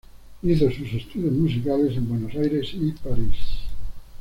Hizo sus estudios musicales en Buenos Aires y París.